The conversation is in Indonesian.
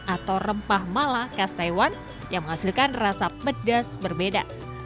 atau rempah mala khas taiwan yang menghasilkan rasa pedas berbeda